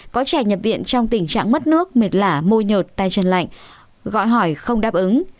có trẻ nhập viện trong tình trạng mất nước mệt lả môi nhợt tay chân lạnh gọi hỏi không đáp ứng